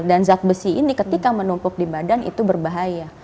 dan zat besi ini ketika menumpuk di badan itu berbahaya